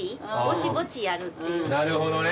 なるほどね。